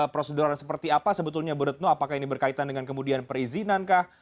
prosedural seperti apa sebetulnya bu retno apakah ini berkaitan dengan kemudian perizinankah